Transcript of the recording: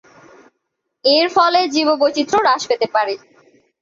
এর ফলে জীববৈচিত্র্য হ্রাস পেতে পারে।